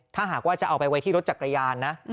ถ้าหากว่าจะเอาไปไว้ที่รถจักรยานนะ